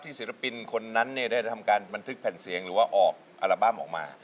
ศิลปินคนนั้นเนี่ยได้ทำการบันทึกแผ่นเสียงหรือว่าออกอัลบั้มออกมา